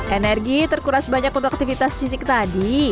energi terkuras banyak untuk aktivitas fisik tadi